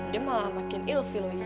dia malah makin ill feel lagi